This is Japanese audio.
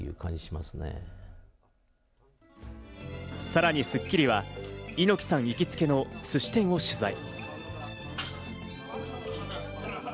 さらに『スッキリ』は猪木さん行きつけのすし店を取材。